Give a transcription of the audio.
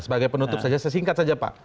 sebagai penutup saja sesingkat saja pak